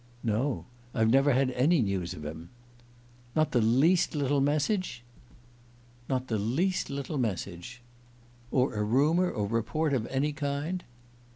"No I've never had any news of him." "Not the least little message?" "Not the least little message." "Or a rumour or report of any kind?"